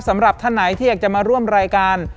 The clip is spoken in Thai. สำหรับท่านไหนที่อยากจะมาร่วมรายการ